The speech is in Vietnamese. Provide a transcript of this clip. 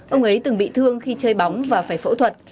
ông ấy từng bị thương khi chơi bóng và phải phẫu thuật